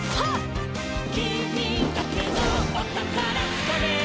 「きみだけのおたからつかめ！」